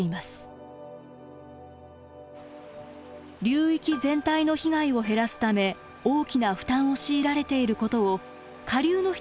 流域全体の被害を減らすため大きな負担を強いられていることを下流の人にも知ってもらいたい。